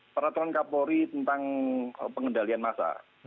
peraturan kapolri tentang pengendalian massa